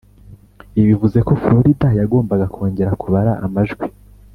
ibi bivuze ko florida yagombaga kongera kubara amajwi.